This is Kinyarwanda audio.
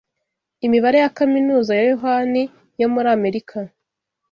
Imibare ya Kaminuza ya yohani yo muri Amerika